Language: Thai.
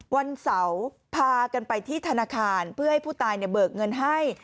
วันเสาร์พากันไปที่ธนาคารเพื่อให้ผู้ตายเบิกเงินให้